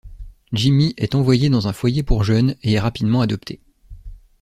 Jimmy est envoyé dans un foyer pour jeune et est rapidement adopté.